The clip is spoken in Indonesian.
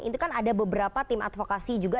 itu kan ada beberapa tim advokasi juga